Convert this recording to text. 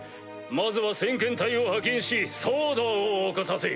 まずは先遣隊を派遣し騒動を起こさせよ。